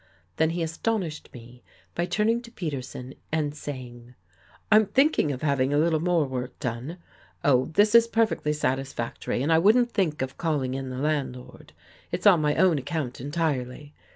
Then he astonished me by turning to Peterson and saying: " Pm thinking of having a little more work done. Oh, this is perfectly satisfactory and I wouldn't think of calling in the landlord. It's on my own account entirely.